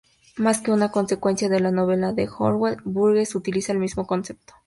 Más que una consecuencia de la novela de Orwell, Burgess utiliza el mismo concepto.